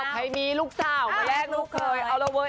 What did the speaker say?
ใครมีลูกสาวเมลากลุ้งเคย